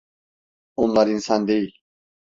Onlar insan değil.